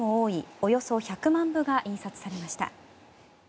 およそ１００万部が印刷されました。